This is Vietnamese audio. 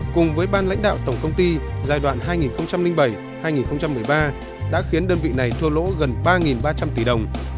cùng với ban lãnh đạo tổng công ty giai đoạn hai nghìn bảy hai nghìn một mươi ba đã khiến đơn vị này thua lỗ gần ba ba trăm linh tỷ đồng